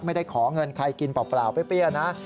ไม่ได้ขอเงินใครกินเปล่าเปรี้ยนะ